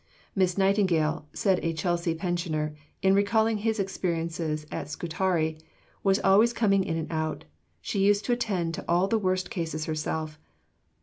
"Miss Nightingale," said a Chelsea pensioner, in recalling his experiences at Scutari, "was always coming in and out. She used to attend to all the worst cases herself.